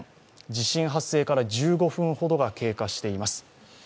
地震発生から１５分ほどが経過しています。